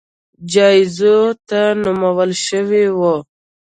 جایزو ته نومول شوي وو